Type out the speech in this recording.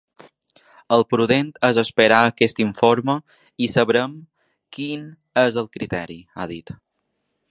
El prudent és esperar aquest informe i sabrem quin és el criteri, ha dit.